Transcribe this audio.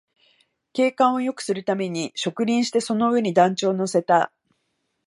景観をよくするために植林して、その上に団地を乗せた